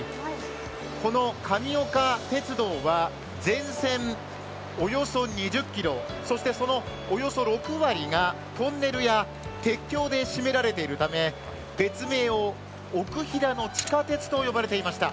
この神岡鉄道は全線およそ２０ｋｍ、そのおよそ６割がトンネルや鉄橋で占められているため別名を奥飛騨の地下鉄と呼ばれていました。